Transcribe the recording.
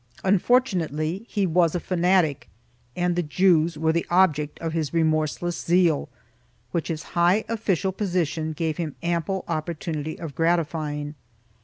1 Unfortunately he was a fanatic and the Jews were the object of his remorseless zeal, which his high official position gave him ample opportunity of gratifying.